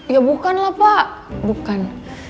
ya bukan lah pak bukan